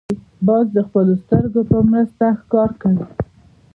باز د خپلو سترګو په مرسته ښکار کوي